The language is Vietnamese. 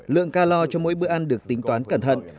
lượng ca lo cho mỗi bữa ăn được tính toán cẩn thận